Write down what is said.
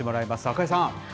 赤井さん。